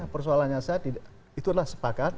persoalannya saya itu adalah sepakat